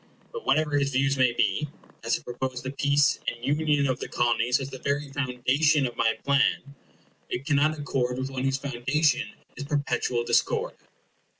But whatever his views may be, as I propose the peace and union of the Colonies as the very foundation of my plan, it cannot accord with one whose foundation is perpetual discord.